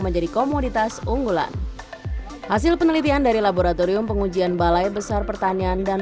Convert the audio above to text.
menjadi komoditas unggulan hasil penelitian dari laboratorium pengujian balai besar pertanian dan